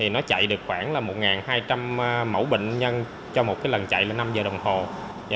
nó chạy được khoảng một hai trăm linh mẫu bệnh nhân cho một lần chạy là năm giờ đồng hồ